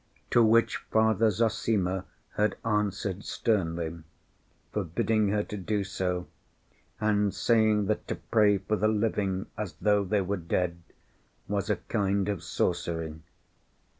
To which Father Zossima had answered sternly, forbidding her to do so, and saying that to pray for the living as though they were dead was a kind of sorcery.